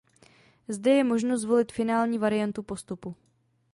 Zde je možno zvolit finální variantu výstupu.